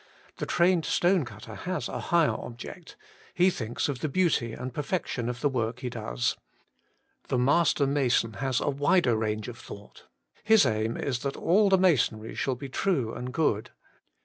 The trained stone cutter has a higher object: he thinks of the beauty and perfection of the work he does. The master mason has a wider range of thought : his aim is that all the masonry shall be true and good.